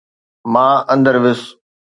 مان اندر ويس.